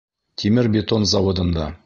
Тимер-бетон заводында.